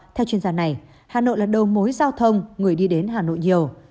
theo chuyên gia này hà nội là đầu mối giao thông người đi đến hà nội nhiều